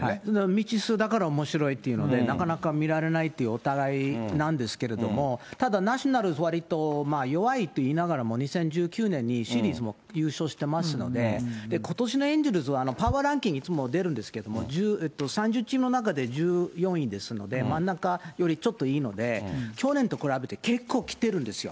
未知数だからおもしろいというので、なかなか見られないという、お互いなんですけれども、ただナショナルズ、わりと弱いといいながらも、２０１９年にシリーズも優勝してますんで、ことしのエンゼルスは、パワーランキングにいつも出るんですけれども、３０チームの中で１４位ですので、真ん中よりちょっといいので、去年と比べて、結構きてるんですよ。